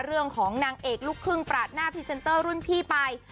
นางเอกลูกครึ่งปราดหน้าพรีเซนเตอร์รุ่นพี่ไป